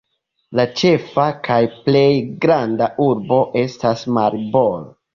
La ĉefa kaj plej granda urbo estas Maribor.